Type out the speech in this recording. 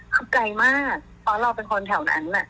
ก็ไกลมากตอนเราเป็นคนแถวนั้นอ่ะ